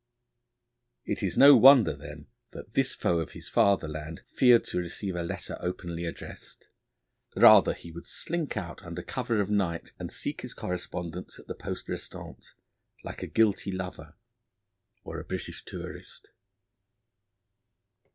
It is no wonder, then, that this foe of his fatherland feared to receive a letter openly addressed; rather he would slink out under cover of night and seek his correspondence at the poste restante, like a guilty lover or a British tourist.